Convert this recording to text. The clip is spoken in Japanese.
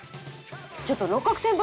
ちょっと六角先輩！